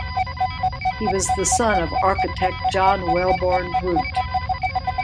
He was the son of architect John Wellborn Root.